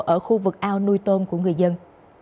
ở khu vực ao nuôi tôm của người dân